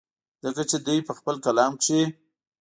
ځکه چې دوي پۀ خپل کلام کښې